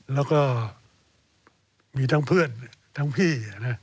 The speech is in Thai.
แล้วก็มีทั้งเพื่อนทั้งพี่